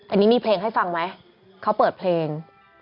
อันนี้มีเพลงให้ฟังไหมเขาเปิดเพลง